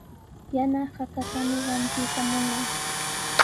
Yana hakatami rantiyta munaa.